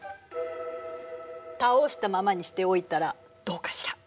倒したままにしておいたらどうかしら？